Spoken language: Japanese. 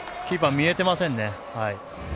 キーパー、見えていませんね。